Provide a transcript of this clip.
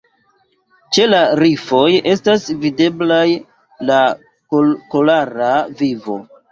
Ĉe la rifoj estas videblaj la korala vivo.